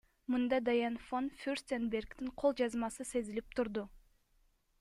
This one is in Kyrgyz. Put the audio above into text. Мында Дайан фон Фюрстенбергдин кол жазмасы сезилип турду.